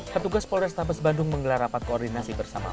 petugas polres tabes bandung menggelar rapat koordinasi bersama